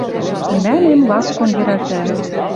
Мӹлӓнем ласкон йӹрӓлтӓльӹ.